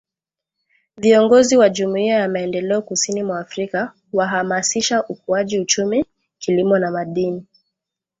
Viongozi wa Jumuiya ya Maendeleo Kusini mwa Afrika wahamasisha ukuaji uchumi, Kilimo na Madini